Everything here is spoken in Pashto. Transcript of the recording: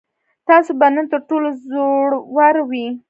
تاسو به نن تر ټولو زړور وئ.